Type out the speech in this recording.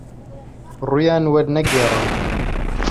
ڕوویان وەرنەگێڕن